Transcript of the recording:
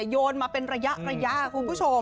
ยกมาเป็นระยะของคุณคุณครูชม